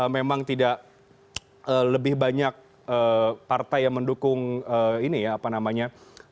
memang tidak lebih banyak partai yang mendukung ini ya apa namanya